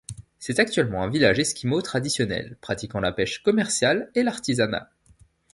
C'est actuellement un village Eskimo traditionnel, pratiquant la pêche commerciale et l'artisanat.